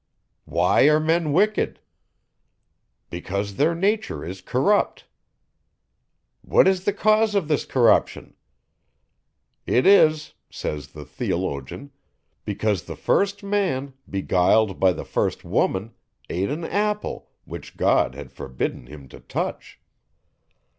Why are men wicked? Because their nature is corrupt. What is the cause of this corruption? It is, says the theologian, because the first man, beguiled by the first woman, ate an apple, which God had forbidden him to touch.